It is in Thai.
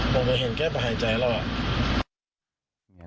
บอกไปเห็นแค่ไปหายใจแล้ว